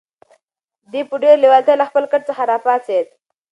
دی په ډېرې لېوالتیا له خپل کټ څخه را پاڅېد.